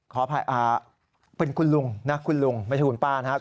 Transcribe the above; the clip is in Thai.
ขออภัยคุณลุงนะไม่ใช่คุณป้านะครับ